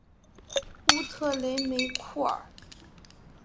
乌特雷梅库尔。